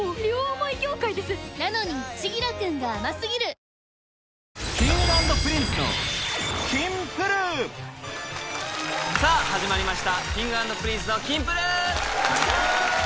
今回はさらにＫｉｎｇ＆Ｐｒｉｎｃｅのさぁ始まりましたＫｉｎｇ＆Ｐｒｉｎｃｅの『キンプる。』！